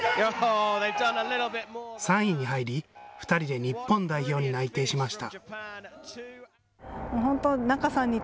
３位に入り、２人で日本代表に内定しました。